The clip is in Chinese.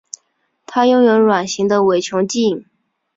它拥有卵形的伪球茎。